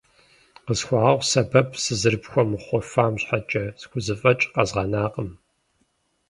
Къысхуэгъэгъу сэбэп сызэрыпхуэмыхъуфам щхьэкӏэ, схузэфӏэкӏ къэзгъэнакъым.